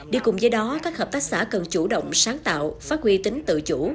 đi cùng với đó các hợp tác xã cần chủ động sáng tạo phát huy tính tự chủ